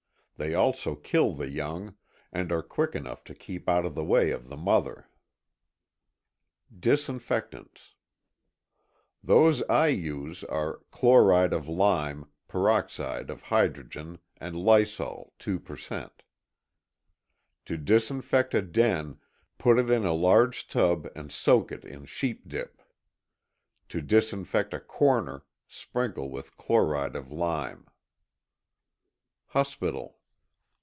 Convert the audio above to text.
They also kill the young, and are quick enough to keep out of the way of the mother. 14.ŌĆöDisinfectants. Those I use areŌĆöChloride of lime, peroxide of hydrogen, and lysol, 2%. To disinfect a den, put it in a large tub and soak it in ŌĆ£sheep dipŌĆØ. To disinfect a corner, sprinkle with chloride of lime. 15.ŌĆöHospital.